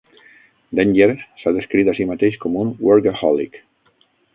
Denyer s'ha descrit a si mateix com un "workaholic".